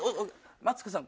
マツコさん